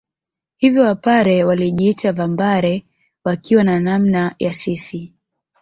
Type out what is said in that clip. Hivyo Wapare walijiita Vambare wakiwa na maana ya sisi